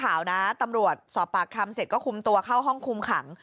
ข่าวนะตำรวจสอบปากคำเสร็จก็คุมตัวเข้าห้องคุมขัง